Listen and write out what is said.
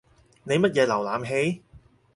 你乜嘢瀏覽器？